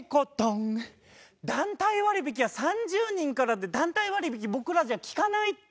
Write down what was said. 団体割引は３０人からで団体割引僕らじゃ利かないって。